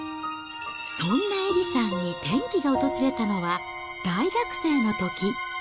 そんなエリさんに転機が訪れたのは大学生のとき。